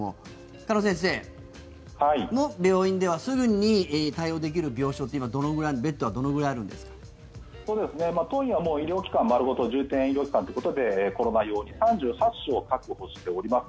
鹿野先生の病院ではすぐに対応できる病床ベッド数は当院は医療機関丸ごと重点医療機関ということでコロナ用に３８床確保しています。